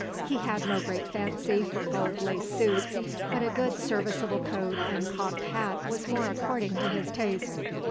He had no great fancy for gold lace suits, but a good serviceable coat and cocked hat was more according to his taste.